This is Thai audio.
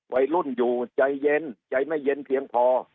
วัยรุ่นอยู่ใจเย็นใจไม่เย็นเพียงพอ